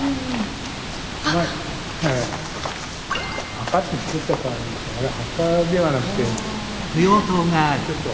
墓って作っちゃったんですがあれは墓ではなくてちょっと。